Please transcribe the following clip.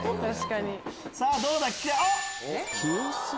さぁどうだ？